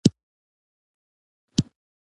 د کرنې په برخه کې د ښځو ونډه زیاته شي.